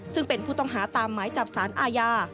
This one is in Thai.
ซึ่งเป็นผู้ต้องหาตามหมายจับสารอาญา